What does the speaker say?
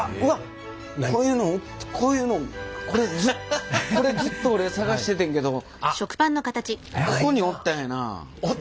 こういうのこういうのこれこれずっと俺探しててんけど「おったんやな」。